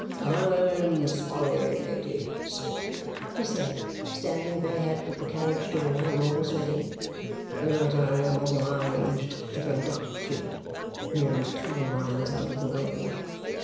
"I am sorry, ladies," he said, standing bare headed at the carriage door when all was ready, "that I am obliged to conduct you nearly two miles out of the way.